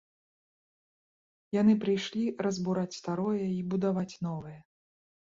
Яны прыйшлі разбураць старое і будаваць новае.